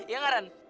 iya gak ran